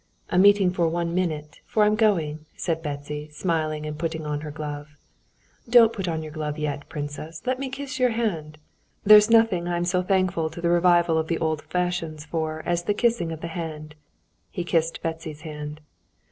"A meeting for one minute, for I'm going," said Betsy, smiling and putting on her glove. "Don't put on your glove yet, princess; let me kiss your hand. There's nothing I'm so thankful to the revival of the old fashions for as the kissing the hand." He kissed Betsy's hand.